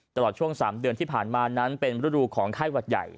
ตลอดช่วง๓เดือนที่ผ่านมานั้นเป็นฤดูของไข้หวัดใหญ่